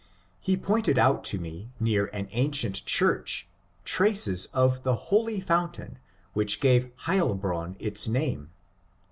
He pointed out to me near an ancient church traces of the holy fountain which gave Heilbronn its name.